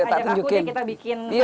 ajak aku yang kita bikin sama sama